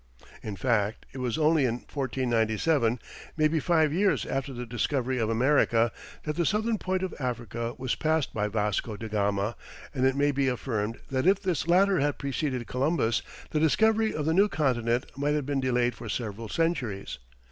In fact it was only in 1497, maybe five years after the discovery of America, that the southern point of Africa was passed by Vasco da Gama, and it may be affirmed that if this latter had preceded Columbus, the discovery of the new continent might have been delayed for several centuries.